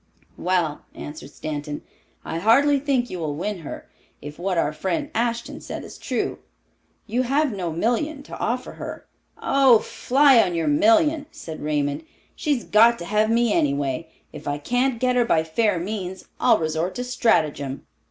"Well," answered Stanton. "I hardly think you will win her, if what our friend Ashton said is true. You have no million to offer her." "Oh, fly on your million!" said Raymond. "She's got to have me any way. If I can't get her by fair means, I'll resort to stratagem."